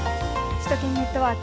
首都圏ネットワーク。